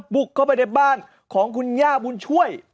บุกเข้าไปในบ้านของคุณย่าบุญช่วย